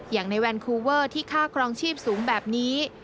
อย่างในแวนคูเวอร์ที่ค่าครองชีพสูงแบบนี้